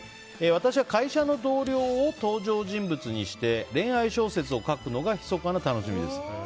私は会社の同僚を登場人物にして恋愛小説を書くのがひそかな楽しみです。